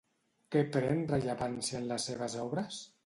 Què pren rellevància en les seves obres?